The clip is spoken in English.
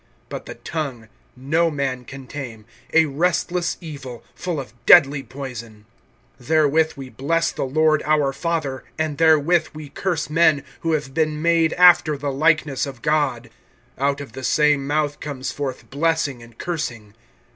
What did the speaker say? (8)But the tongue no man can tame; a restless evil, full of deadly poison. (9)Therewith we bless the Lord and Father; and therewith we curse men, who have been made after the likeness of God. (10)Out of the same mouth comes forth blessing and cursing.